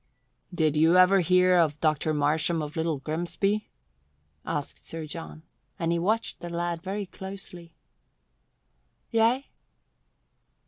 "Did you ever hear of Dr. Marsham of Little Grimsby?" Sir John asked, and he watched the lad very closely. "Yea."